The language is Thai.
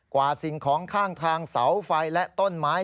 วาดสิ่งของข้างทางเสาไฟและต้นไม้